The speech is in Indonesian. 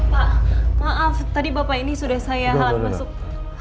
pak maaf tadi bapak ini sudah saya halang masuk